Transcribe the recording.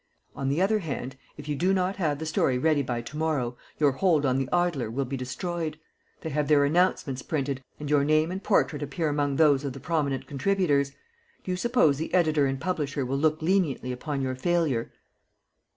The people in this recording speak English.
On the other hand, if you do not have the story ready by to morrow, your hold on the Idler will be destroyed. They have their announcements printed, and your name and portrait appear among those of the prominent contributors. Do you suppose the editor and publisher will look leniently upon your failure?"